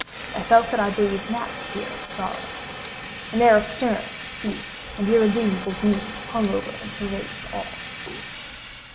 I felt that I breathed an atmosphere of sorrow. An air of stern, deep, and irredeemable gloom hung over and pervaded all.